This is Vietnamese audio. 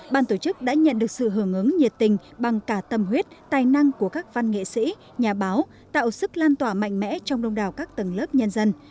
ban tổ chức đã nhận được sự hưởng ứng nhiệt tình bằng cả tâm huyết tài năng của các văn nghệ sĩ nhà báo tạo sức lan tỏa mạnh mẽ trong đông đảo các tầng lớp nhân dân